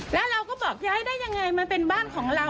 แล้วเราก็บอกย้ายได้ยังไงมันเป็นบ้านของเรา